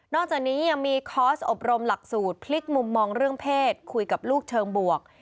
อกจากนี้ยังมีคอร์สอบรมหลักสูตรพลิกมุมมองเรื่องเพศคุยกับลูกเชิงบวก